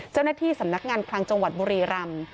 เจ้าหน้าที่สำนักงานคลังจังหวัดบุรีรำ